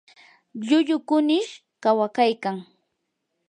lllullu kunish kawakaykan.